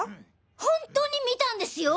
本当に見たんですよ！